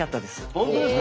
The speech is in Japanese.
本当ですか！